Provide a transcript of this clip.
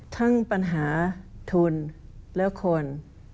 ทั้งปัญหาทุนและคน